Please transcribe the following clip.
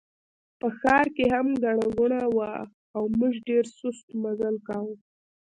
په ښار کې هم ګڼه ګوڼه وه او موږ ډېر سست مزل کاوه.